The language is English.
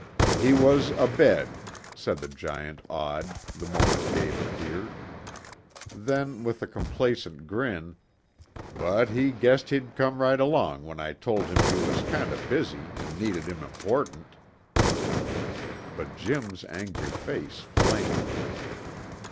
"He was abed," said the giant Odd, the moment Dave appeared. Then with a complacent grin, "But he guessed he'd come right along when I told him you was kind o' busy an' needed him important." But Jim's angry face flamed.